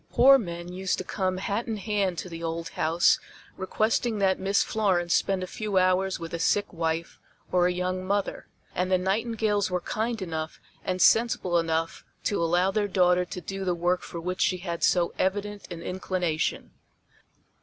Poor men used to come hat in hand to the old house requesting that Miss Florence spend a few hours with a sick wife or a young mother, and the Nightingales were kind enough and sensible enough to allow their daughter to do the work for which she had so evident an inclination.